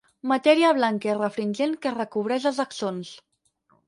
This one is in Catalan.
Matèria blanca i refringent que recobreix els axons.